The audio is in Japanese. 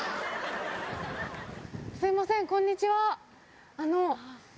すみません、こんにちは。